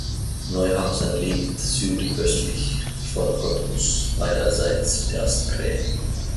Neuhausen liegt südöstlich von Cottbus beiderseits der Spree.